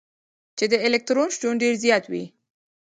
چي د الکترون شتون ډېر زيات وي.